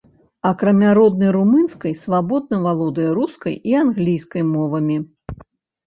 Акрамя роднай румынскай, свабодна валодае рускай і англійскай мовамі.